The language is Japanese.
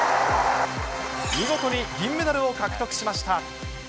見事に銀メダルを獲得しました。